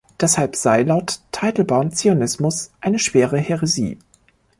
Deshalb sei, laut Teitelbaum, Zionismus eine schwere Häresie.